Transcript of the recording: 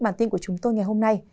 bản tin của chúng tôi ngày hôm nay